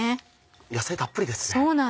野菜たっぷりですね。